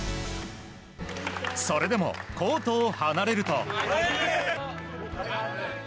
それでも、コートを離れると。